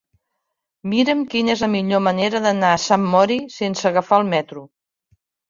Mira'm quina és la millor manera d'anar a Sant Mori sense agafar el metro.